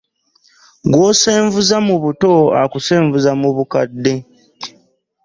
Gwosenvuza mu buto akusenvuza mu bukadde .